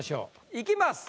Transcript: いきます。